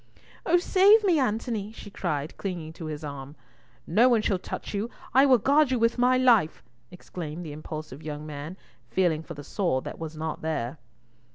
"Oh save me, Antony!" she cried clinging to his arm. "No one shall touch you. I will guard you with my life!" exclaimed the impulsive young man, feeling for the sword that was not there.